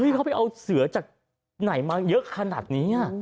เขาไปเอาเสือจากไหนมาเยอะขนาดนี้